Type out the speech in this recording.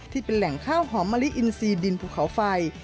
ที่เป็นแหล่งข้าวหอมมะลิอินซีดินภูเขาไฟ